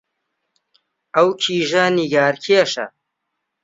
ئەو کیژە نیگارکێشە